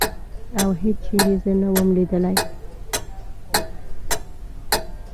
او هېڅ چېرې زه نه وم لیدلې.